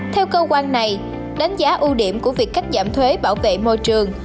theo cơ quan này đánh giá ưu điểm của việc cắt giảm thuế bảo vệ môi trường